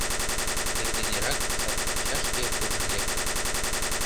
Эрден эрак сад-пакчашке куржын лектын